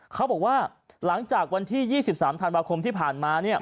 เขาบอกว่าหลังจากวันที่๒๓ธันวาคมที่ผ่านมาเนี่ย